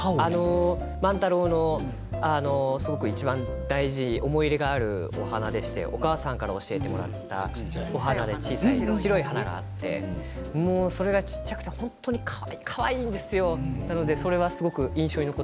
万太郎のいちばん大事に思い入れのある花でしてお母さんから教えてもらった花小さい白い花があってそれが小さくて本当にかわいいんですよ。